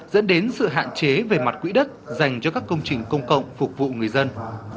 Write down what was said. dẫn đến sự hạn chế về mặt quỹ đất dành cho các công trình công cộng phục vụ người dân